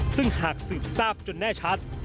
ซึ่งหากสืบทราบจนแน่ชัด